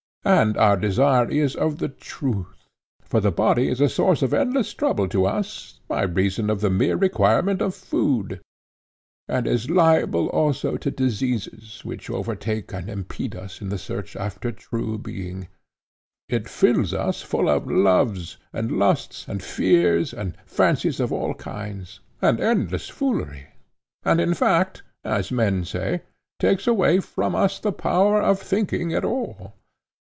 and our desire is of the truth. For the body is a source of endless trouble to us by reason of the mere requirement of food; and is liable also to diseases which overtake and impede us in the search after true being: it fills us full of loves, and lusts, and fears, and fancies of all kinds, and endless foolery, and in fact, as men say, takes away from us the power of thinking at all.